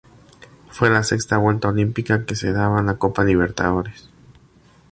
Fue la sexta vuelta olímpica que se daba en la Copa Libertadores.